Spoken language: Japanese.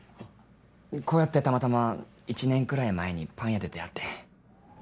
こうやってたまたま１年くらい前にパン屋で出会って。